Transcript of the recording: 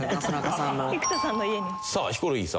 さあヒコロヒーさん。